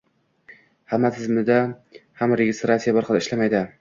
Hamma tizimda ham registratsiya bir xil ishlamaydi